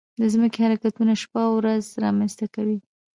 د ځمکې حرکتونه شپه او ورځ رامنځته کوي.